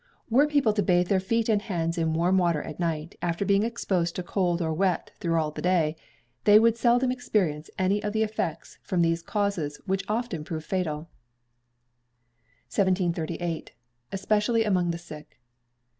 Were people to bathe their feet and hands in warm water at night, after being exposed to cold or wet through the day, they would seldom experience any of the effects from these causes which often prove fatal. 1738. Especially Among the Sick.